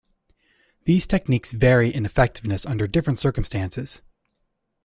These techniques vary in effectiveness under different circumstances.